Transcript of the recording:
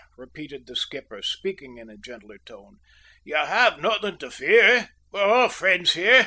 repeated the skipper, speaking in a gentler tone. "You have nothing to fear. We're all friends here!"